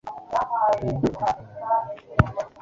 Nabonye aha Mariya ikintu mumasanduku nto.